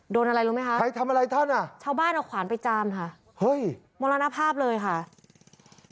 โดนอะไรรู้ไหมคะชาวบ้านเอาขวานไปจามค่ะมรณภาพเลยค่ะใครทำอะไรท่านอ่ะเฮ้ย